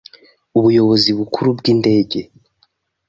Ubuyobozi bukuru bw'indege